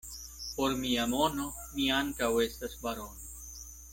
Por mia mono mi ankaŭ estas barono.